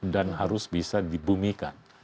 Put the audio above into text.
dan harus bisa dibumikan